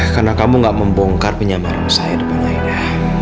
karena kamu gak membongkar penyamaran saya depan aida